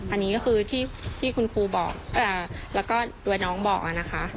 อันนี้ก็คือที่คุณครูบอกแล้วก็โดยน้องบอกนะคะ